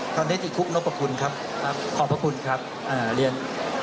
ท่านเดชน์อีกคุ้มนกประคุณครับครับขอบพระคุณครับอ่าเรียน